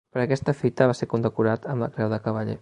Per aquesta fita va ser condecorat amb la Creu de Cavaller.